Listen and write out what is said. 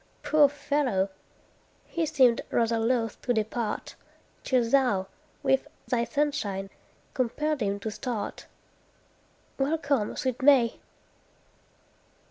Poor fellow! he seemed rather loth to depart, Till thou, with thy sunshine, compelled him to start. Welcome, sweet May!